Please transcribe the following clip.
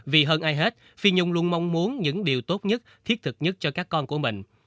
vì hơn ai hết phi nhung luôn mong muốn những điều tốt nhất thiết thực nhất cho các con của mình